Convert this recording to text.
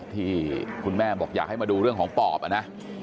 ที่คุณแม่บอกอยากให้มาดูเรื่องของปอบนะ